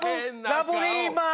ラブリーマン！